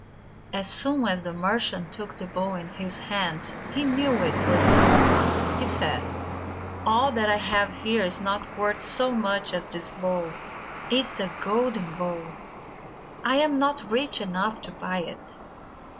As soon as the merchant took the bowl in his hands, he knew it was of gold. He said: "All that I have here is not worth so much as this bowl. It is a golden bowl. I am not rich enough to buy it."